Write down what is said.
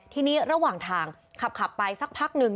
ทีนี้ระหว่างทางขับไปสักพักหนึ่ง